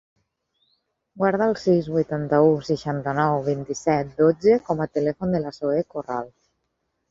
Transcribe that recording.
Guarda el sis, vuitanta-u, seixanta-nou, vint-i-set, dotze com a telèfon de la Zoè Corral.